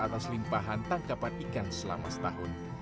atas limpahan tangkapan ikan selama setahun